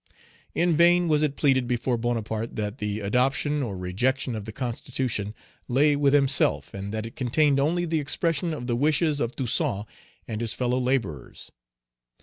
In vain was it pleaded before Bonaparte that the adoption or rejection of the constitution lay with himself, and that it contained only the expression of the wishes of Toussaint and his fellow laborers.